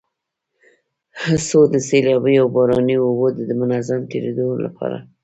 څو د سيلابي او باراني اوبو د منظم تېرېدو لپاره